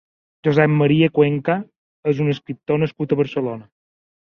Josep Maria Cuenca és un escriptor nascut a Barcelona.